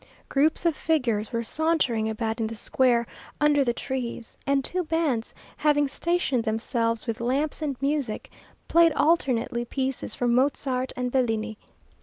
Groups of figures were sauntering about in the square, under the trees, and two bands having stationed themselves with lamps and music, played alternately pieces from Mozart and Bellini.